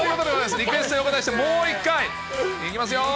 リクエストにお応えしてもう一回。いきますよ。